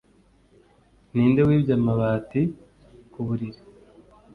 Ninde wibye amabati ku buriri